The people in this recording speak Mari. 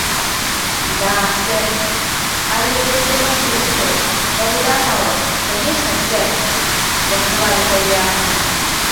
— Да, сэр... але вес семынже уке, огыда пале, конешне, сэр, — воштылале Поллианна.